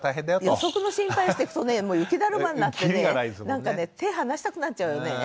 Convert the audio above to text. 予測の心配をしてくとね雪だるまになってねなんかね手はなしたくなっちゃうよね。